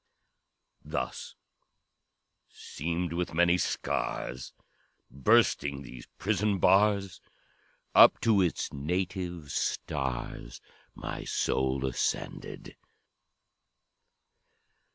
"Thus, seamed with many scars, Bursting these prison bars, Up to its native stars My soul ascended!